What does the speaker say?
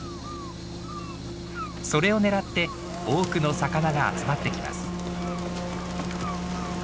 それを狙って多くの魚が集まってきます。